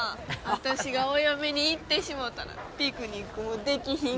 私がお嫁に行ってしもうたらピクニックも出来ひんで！